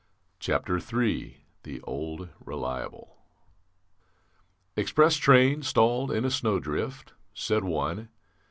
THE OLD RELIABLE "Express train stalled in a snowdrift," said one.